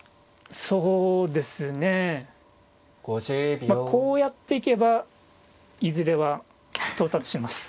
そうですねまあこうやっていけばいずれは到達します。